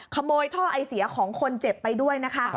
ขโมยท่อไอเสียของคนเจ็บไปด้วยนะคะ